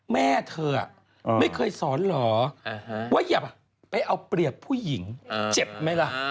แม่เธอไม่เคยสอนเหรอว่าอย่าไปเอาเปรียบผู้หญิงเจ็บไหมล่ะ